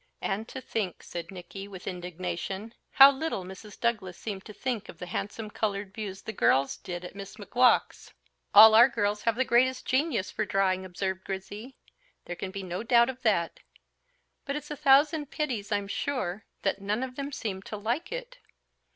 "And to think," said Nicky, with indignation, "how little Mrs. Douglas seemed to think of the handsome coloured views the girls did at Miss Macgowk's." "All our girls have the greatest genius for drawing," observed Grizzy; "there can be no doubt of that; but it's a thousand pities, I'm sure, that none of them seem to like it.